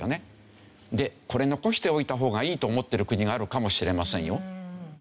これ残しておいた方がいいと思ってる国があるかもしれませんよ。